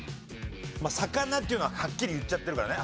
魚っていうのははっきり言っちゃってるからね。